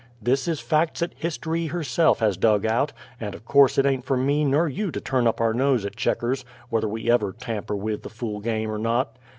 These is facts 'at history herself has dug out, and of course it ain't fer me ner you to turn our nose up at Checkers, whuther we ever tamper with the fool game er not.